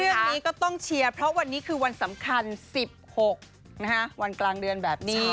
เรื่องนี้ก็ต้องเชียร์เพราะวันนี้คือวันสำคัญ๑๖วันกลางเดือนแบบนี้